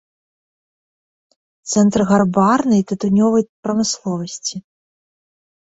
Цэнтр гарбарнай і тытунёвай прамысловасці.